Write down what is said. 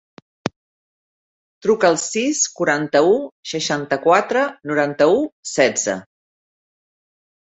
Truca al sis, quaranta-u, seixanta-quatre, noranta-u, setze.